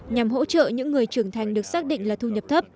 nhằm hỗ trợ những người trưởng thành được xác định là thu nhập thấp